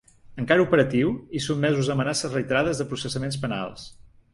Encara operatiu, i sotmesos a amenaces reiterades de processaments penals.